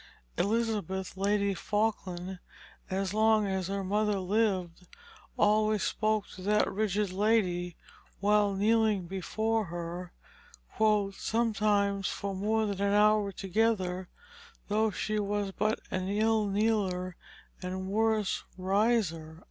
Elizabeth, Lady Falkland, as long as her mother lived, always spoke to that rigid lady while kneeling before her, "sometimes for more than an hour together, though she was but an ill kneeler, and worse riser."